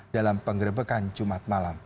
dalam pengerebekan jumat malam